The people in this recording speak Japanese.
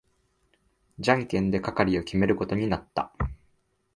じゃんけんで係を決めることになった。